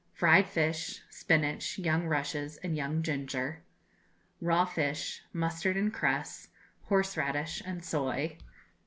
Fried Fish, Spinach, Young Rushes, and Young Ginger. Raw Fish, Mustard and Cress, Horseradish, and Soy.